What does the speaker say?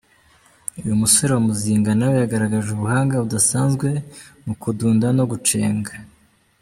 Uyu musore wa Muzinga nawe yagaragaje ubuhanga budasanzwe mu kudunda no gucenga.